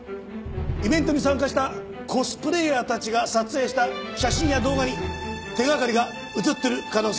イベントに参加したコスプレイヤーたちが撮影した写真や動画に手掛かりが写ってる可能性が高い。